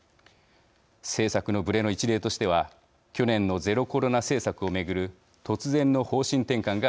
政策のぶれの一例としては去年のゼロコロナ政策を巡る突然の方針転換があります。